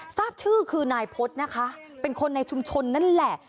ทราบชื่อคือนายพฤษนะคะเป็นคนในชุมชนนั่นแหละ